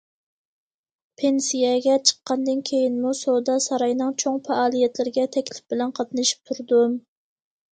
پېنسىيەگە چىققاندىن كېيىنمۇ سودا ساراينىڭ چوڭ پائالىيەتلىرىگە تەكلىپ بىلەن قاتنىشىپ تۇردۇم.